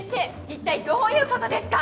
一体どういうことですか？